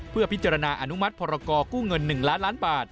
เพื่อพิจารณาอนุมัติพรกู้เงิน๑ล้านล้านบาท